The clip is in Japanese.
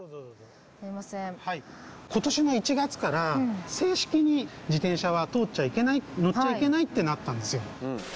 今年の１月から正式に自転車は通っちゃいけない乗っちゃいけないってなったんですよ。